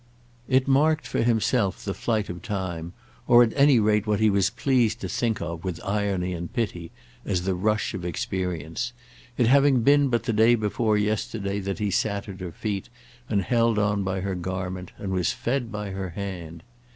It marked for himself the flight of time, or at any rate what he was pleased to think of with irony and pity as the rush of experience; it having been but the day before yesterday that he sat at her feet and held on by her garment and was fed by her hand.